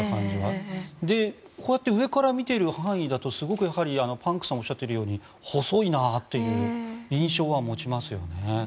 でも、こうやって上から見ているとパンクさんがおっしゃっているように細いなという印象は持ちますよね。